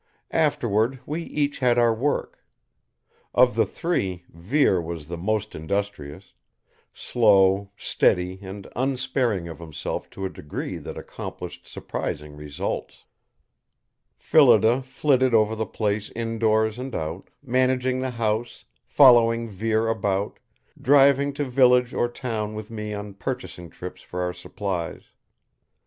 Afterward, we each had our work. Of the three, Vere was the most industrious; slow, steady and unsparing of himself to a degree that accomplished surprising results. Phillida flitted over the place indoors and out, managing the house, following Vere about, driving to village or town with me on purchasing trips for our supplies.